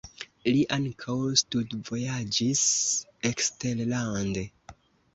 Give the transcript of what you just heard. Li ankaŭ studvojaĝis eksterlande.